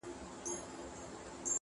حیوانان له وهمه تښتي خپل پردی سي٫